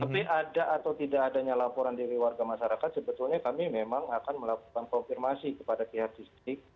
tapi ada atau tidak adanya laporan dari warga masyarakat sebetulnya kami memang akan melakukan konfirmasi kepada pihak distrik